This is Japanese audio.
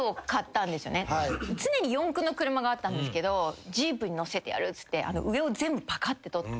常に四駆の車があったんですけど「ジープに乗せてやる」っつって上を全部パカって取って。